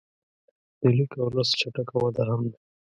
د لیک او لوست چټکه وده هم ده.